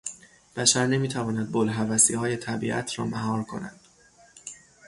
بشر نمیتواند بوالهوسیهای طبیعت را مهار کند.